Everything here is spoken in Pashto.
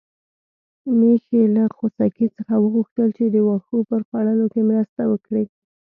میښې له خوسکي څخه وغوښتل چې د واښو په خوړلو کې مرسته وکړي.